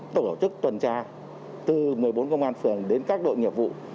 tổ chức tuần tra từ một mươi bốn công an phường đến các đội nghiệp vụ